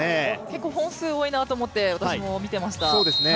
結構本数多いなと思って私も見ていました。